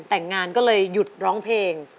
แต่งงานก็เลยหยุดร้องเพลง